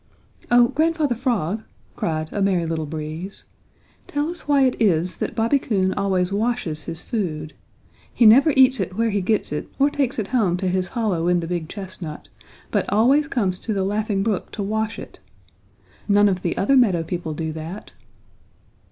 "Oh! Grandfather Frog," cried a Merry Little Breeze, "tell us why it is that Bobby Coon always washes his food. He never eats it where he gets it or takes it home to his hollow in the big chestnut, but always comes to the Laughing Brook to wash it. None of the other meadow people do that."